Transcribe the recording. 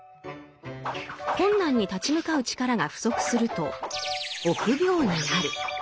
困難に立ち向かう力が不足すると「臆病」になる。